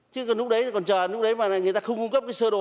chứ còn lúc đấy còn chờ lúc đấy mà người ta không cung cấp cái sơ đồ